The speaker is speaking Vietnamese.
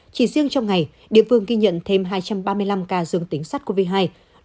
chỉ riêng trong ngày địa phương ghi nhận thêm hai trăm ba mươi năm ca dương tính sát covid hai